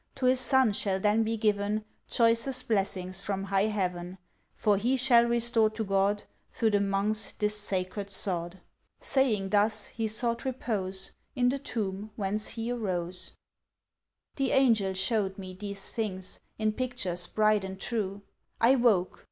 To his son shall then be given, Choicest blessings from High Heaven, For he shall restore to God, Through the Monks this sacred sod." Saying thus he sought repose, In the tomb whence he arose. The Angel shewed me these things, In pictures bright and true; I woke!